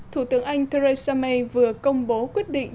thủ tướng anh theresa may vừa công bố quyết định